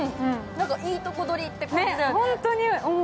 いいとこどりって感じだよね。